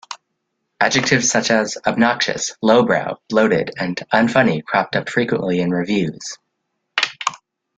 Adjectives such as "obnoxious", "lowbrow", "bloated", and "unfunny" cropped up frequently in reviews.